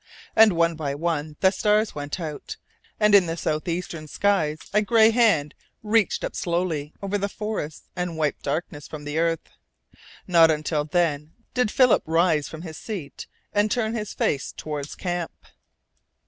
And one by one the stars went out, and in the south eastern skies a gray hand reached up slowly over the forests and wiped darkness from the earth. Not until then did Philip rise from his seat and turn his face toward camp.